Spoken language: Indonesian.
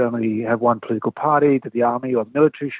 dan kita harus menghilangkan pemerintah